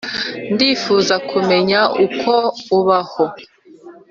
ndifuza kumenya uko ubaho